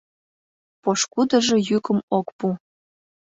Пошкудыжо йӱкым ок пу.